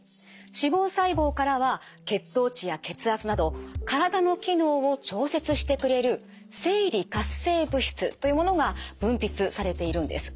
脂肪細胞からは血糖値や血圧など体の機能を調節してくれる生理活性物質というものが分泌されているんです。